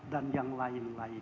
dan yang lain lain